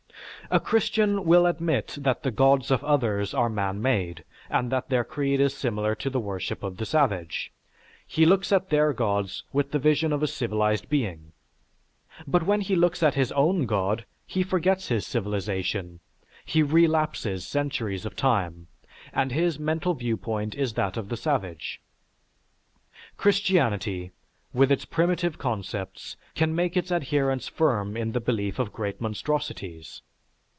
A Christian will admit that the gods of others are man made, and that their creed is similar to the worship of the savage. He looks at their gods with the vision of a civilized being; but when he looks at his own god, he forgets his civilization, he relapses centuries of time, and his mental viewpoint is that of the savage. Christianity, with its primitive concepts, can make its adherents firm in the belief of great monstrosities.